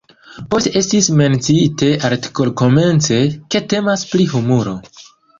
Poste estis menciite artikol-komence, ke temas pri humuro.